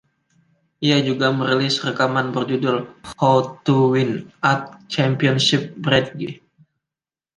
Ia juga merilis rekaman berjudul "How to Win at Championship Bridge".